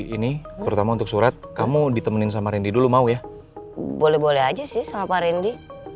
ini terutama untuk surat kamu ditemenin sama randy dulu mau ya boleh boleh aja sih sama pak randy